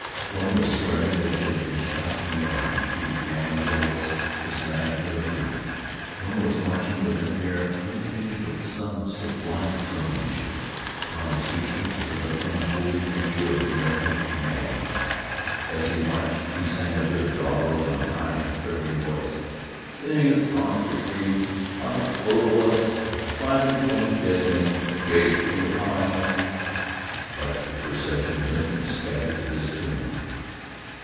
One was swearing that he had been shot in the arm through the commanding general's mismanagement of the army. One was marching with an air imitative of some sublime drum major. Upon his features was an unholy mixture of merriment and agony. As he marched he sang a bit of doggerel in a high and quavering voice: "Sing a song 'a vic'try, A pocketful 'a bullets, Five an' twenty dead men Baked in a pie." Parts of the procession limped and staggered to this tune.